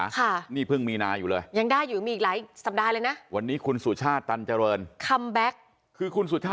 คำนวณตัวเลขอยู่